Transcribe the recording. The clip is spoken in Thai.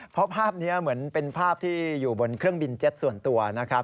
เพราะภาพนี้เหมือนเป็นภาพที่อยู่บนเครื่องบินเจ็ตส่วนตัวนะครับ